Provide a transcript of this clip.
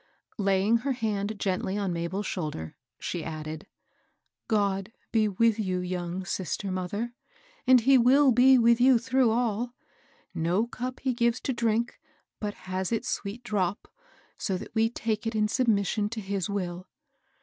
Laying her hand gently on Mabel's shoulder, she added, ^^ God be with you, young sister mother I And he will be with you through all. No cup he gives to drink but has its sweet drop, so that we take it in sub mission to his will.